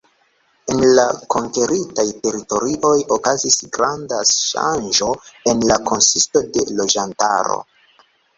En la konkeritaj teritorioj okazis granda ŝanĝo en la konsisto de loĝantaro.